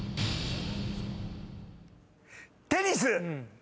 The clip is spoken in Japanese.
テニス！